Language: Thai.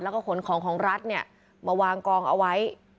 แล้วก็ขนของของรัฐเนี่ยมาวางกองเอาไว้